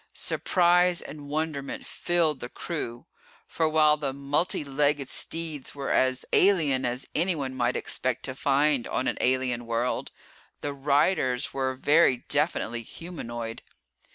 Surprise and wonderment filled the crew, for while the multi legged steeds were as alien as anyone might expect to find on an alien world, the riders were very definitely humanoid.